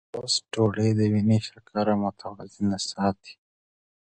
ټوسټ ډوډۍ د وینې شکره متوازنه ساتي.